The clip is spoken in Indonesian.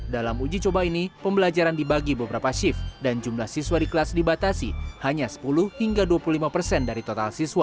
dalam uji coba ini pembelajaran dibagi beberapa shift dan jumlah siswa di kelas dibatasi hanya sepuluh hingga dua puluh lima persen dari total siswa